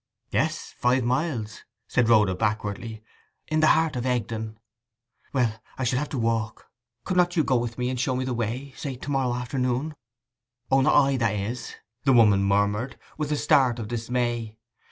'Yes—five miles,' said Rhoda backwardly. 'In the heart of Egdon.' 'Well, I should have to walk. Could not you go with me to show me the way—say to morrow afternoon?' 'O, not I—that is,' the milkwoman murmured, with a start of dismay.